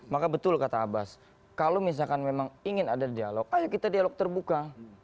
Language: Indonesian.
maka betul kata abbas kalau misalkan memang ingin ada dialog ayo kita dialog terbuka